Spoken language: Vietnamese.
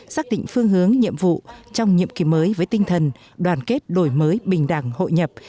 xác định phương hướng nhiệm vụ trong nhiệm kỳ mới với tinh thần đoàn kết đổi mới bình đẳng hội nhập